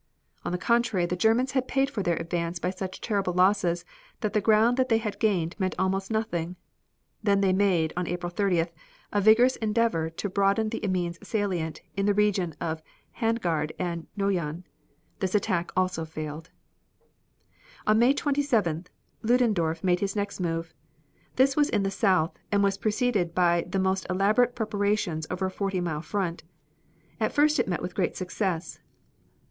On the contrary the Germans had paid for their advance by such terrible losses that the ground that they had gained meant almost nothing. They then made, on April 30th, a vigorous endeavor to broaden the Amiens salient in the region of Hangard and Noyon. This attack also failed. On May 27th Ludendorf made his next move. This was in the south, and was preceded by the most elaborate preparations over a forty mile front. At first it met with great success.